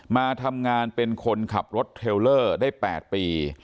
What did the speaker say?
มาทำงานเป็นคนขับรถเทลเลอร์ได้๘ปี